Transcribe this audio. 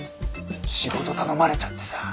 仕事頼まれちゃってさ。